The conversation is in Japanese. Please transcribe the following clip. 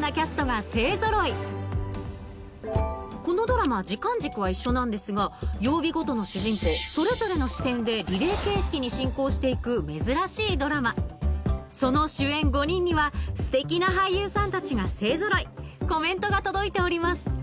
このドラマ時間軸は一緒なんですが曜日ごとの主人公それぞれの視点でリレー形式に進行して行く珍しいドラマその主演５人にはステキな俳優さんたちが勢ぞろいコメントが届いております